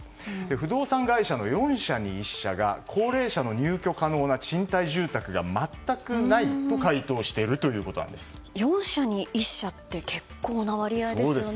不動産会社の４社に１社が高齢者の入居可能な賃貸住宅が全くないと４社に１社って結構な割合ですよね。